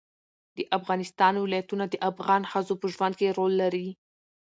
د افغانستان ولايتونه د افغان ښځو په ژوند کې رول لري.